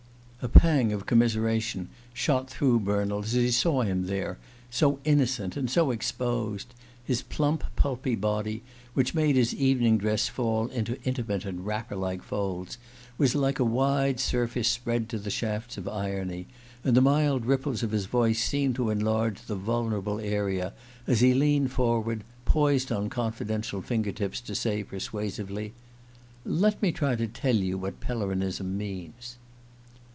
A pang of commiseration shot through Bernald as he saw him there, so innocent and so exposed. His plump pulpy body, which made his evening dress fall into intimate and wrapper like folds, was like a wide surface spread to the shafts of irony; and the mild ripples of his voice seemed to enlarge the vulnerable area as he leaned forward, poised on confidential finger tips, to say persuasively: "Let me try to tell you what Pellerinism means."